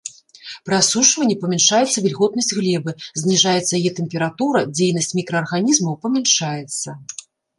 Пры асушванні памяншаецца вільготнасць глебы, зніжаецца яе тэмпература, дзейнасць мікраарганізмаў памяншаецца.